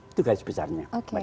itu garis besarnya